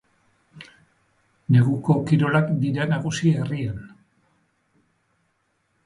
Neguko kirolak dira nagusi herrian.